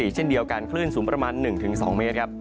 เช่นเดียวกันคลื่นสูงประมาณ๑๒เมตรครับ